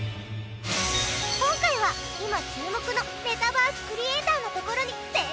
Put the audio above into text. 今回は今注目のメタバースクリエイターの所に潜入ロケ！